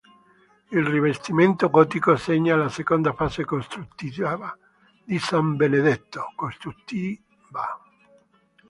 Il rivestimento gotico segna la seconda fase costruttiva di San Benedetto.